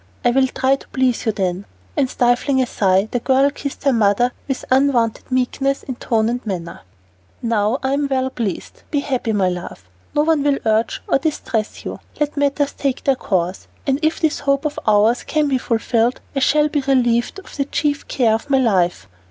"I will try to please you, then." And stifling a sigh, the girl kissed her mother with unwonted meekness in tone and manner. "Now I am well pleased. Be happy, my love. No one will urge or distress you. Let matters take their course, and if this hope of ours can be fulfilled, I shall be relieved of the chief care of my life."